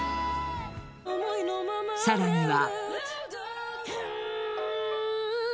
さらには。